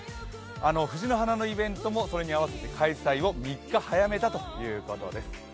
藤の花のイベントもそれに合わせて開催を３日早めたということです